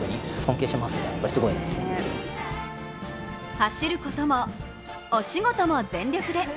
走ることもお仕事も全力で。